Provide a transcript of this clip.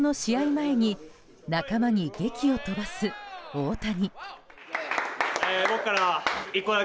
前に仲間にげきを飛ばす大谷。